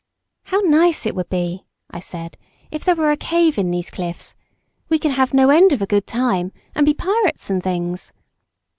"How nice it would be," I said, "if there were a cave in these cliffs; we could have no end of a good time and be pirates and things!"